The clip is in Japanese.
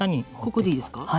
ここでいいですか。